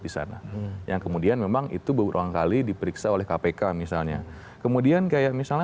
di sana yang kemudian memang itu berulang kali diperiksa oleh kpk misalnya kemudian kayak misalnya